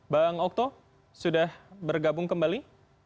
bang okto sudah bergabung kembali